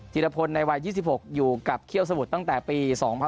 รพลในวัย๒๖อยู่กับเขี้ยวสมุทรตั้งแต่ปี๒๕๖๒